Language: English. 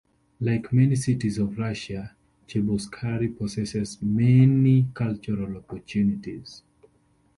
Like many cities of Russia, Cheboksary possesses many cultural opportunities.